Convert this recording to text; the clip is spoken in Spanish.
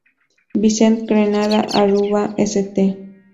Vincent, Grenada, Aruba, St.